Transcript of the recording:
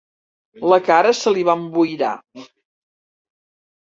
La cara se li va emboirar.